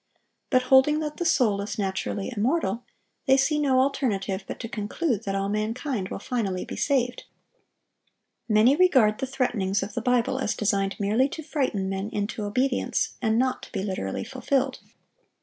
But holding that the soul is naturally immortal, they see no alternative but to conclude that all mankind will finally be saved. Many regard the threatenings of the Bible as designed merely to frighten men into obedience, and not to be literally fulfilled.